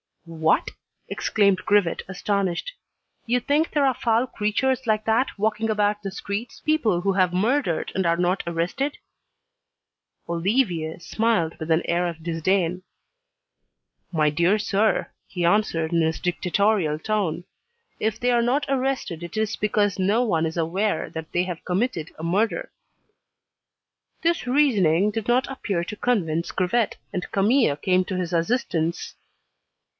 "What!" exclaimed Grivet astonished, "you think there are foul creatures like that walking about the streets, people who have murdered and are not arrested?" Olivier smiled with an air of disdain. "My dear sir," he answered in his dictatorial tone, "if they are not arrested it is because no one is aware that they have committed a murder." This reasoning did not appear to convince Grivet, and Camille came to his assistance.